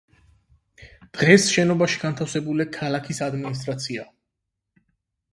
დღეს შენობაში განთავსებულია ქალაქის ადმინისტრაცია.